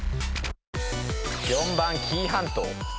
４番紀伊半島。